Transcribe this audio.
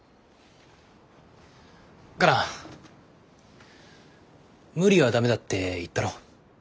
カナ無理はダメだって言ったろ。